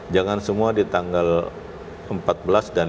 jangan semua di tanggal empat belas dan dua puluh